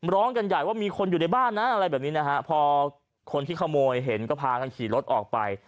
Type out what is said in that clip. ร้องกันใหญ่ว่ามีคนอยู่ในบ้านนะอะไรแบบนี้นะฮะพอคนที่ขโมยเห็นก็พากันขี่รถออกไป